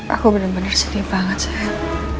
aku bener bener sedih banget sayang